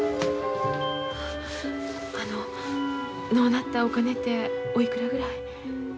あののうなったお金ておいくらぐらい。